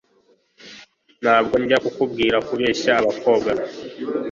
ntabwo njya kukubwira kubeshya abakobwa